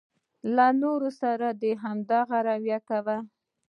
له نورو سره دې هماغه رويه وکړي.